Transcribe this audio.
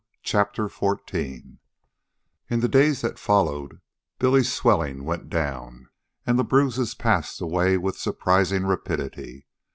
CHAPTER XIV In the days that followed Billy's swellings went down and the bruises passed away with surprising rapidity.